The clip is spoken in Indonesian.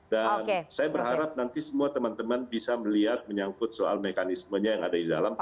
dan saya berharap nanti semua teman teman bisa melihat menyangkut soal mekanismenya yang ada di dalam